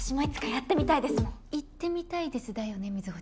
「言ってみたいです」だよね瑞穂ちゃん。